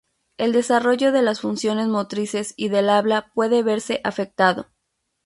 El desarrollo de las funciones motrices y del habla puede verse afectado.